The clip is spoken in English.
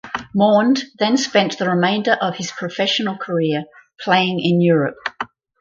Maund then spent the remainder of his professional career playing in Europe.